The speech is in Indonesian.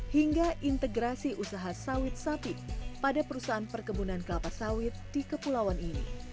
hingga integrasi usaha sawit sapi pada perusahaan perkebunan kelapa sawit di kepulauan ini